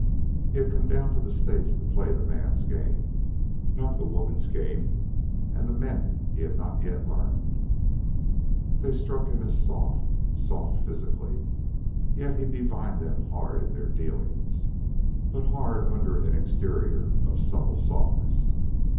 He had come down to the States to play the man's game, not the woman's game; and the men he had not yet learned. They struck him as soft soft physically; yet he divined them hard in their dealings, but hard under an exterior of supple softness.